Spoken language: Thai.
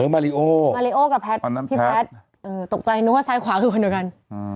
มาลิโอกับพี่พลัทย์ตกใจนึกว่าซ้ายขวาคือคนหนึ่งกัน